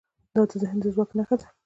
دا د ذهن د ځواک نښه ده.